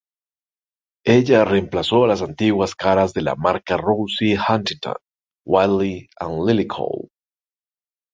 Ella reemplazó a las antiguas caras de la marca Rosie Huntington-Whiteley y Lily Cole.